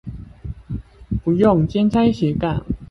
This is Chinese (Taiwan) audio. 不用兼差斜槓